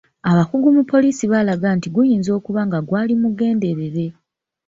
Abakugu mu poliisi baalaga nti guyinza okuba nga gwali mugenderere.